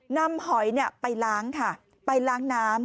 หอยไปล้างค่ะไปล้างน้ำ